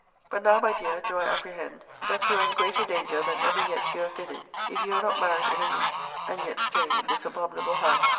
>>> But now, my dear, do I apprehend, that you are in greater danger than ever yet you have been in; if you are not married in a week; and yet stay in this abominable house.